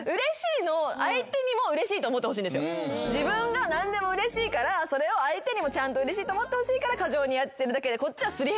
自分が何でもうれしいからそれを相手にもちゃんとうれしいと思ってほしいから過剰にやってるだけでこっちはすり減ってないんです。